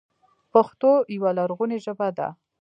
پښتو يوه لرغونې ژبه ده.